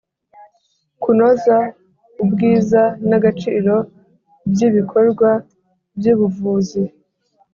kunoza ubwiza n'agaciro by'ibikorwa by'ubuvuzi